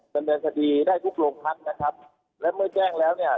สำเร็จสดีได้พรุ่งพักนะครับแล้วเมื่อแจ้งแล้วเนี่ย